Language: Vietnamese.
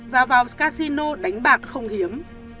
và vào casino đánh bạc không hiếm